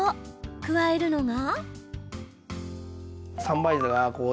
加えるのが。